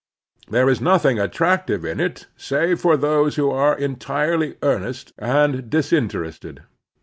There is noth ing attractive in it save for those who are entirely earnest and disinterested.